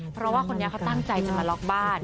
เพราะว่าคนนี้เขาตั้งใจจะมาล็อกบ้าน